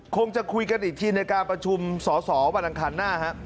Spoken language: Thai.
คงจะคุยกันอีกทีในการประชุมสอสอวันอังคารหน้าฮะ